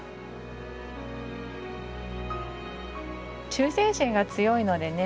忠誠心が強いのでね